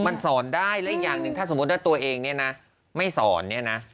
มันสอนได้และอีกอย่างหนึ่งถ้าสมมติว่าตัวเองไม่สอน